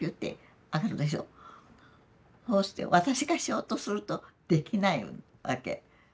そうして私がしようとするとできないわけ。